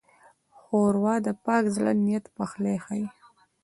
ښوروا د پاک زړه نیت پخلی ښيي.